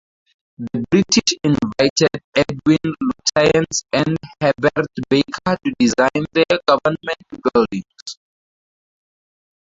The British invited Edwin Lutyens and Herbert Baker to design the government buildings.